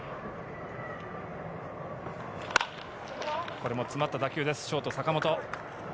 これも詰まった打球です、ショート・坂本。